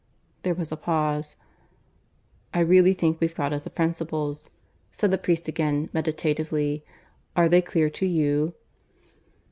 There was a pause. "I really think we've got at the principles," said the priest again, meditatively. "Are they clear to you?"